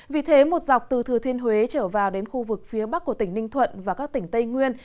vì thế một dọc từ thừa thiên huế trở vào đến khu vực phía bắc của tỉnh ninh thuận và các tỉnh tây nguyên